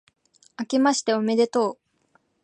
明けましておめでとう